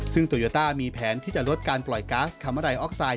ซึ่งโตโยต้ามีแผนที่จะลดการปล่อยก๊าซคามอะไรออกไซด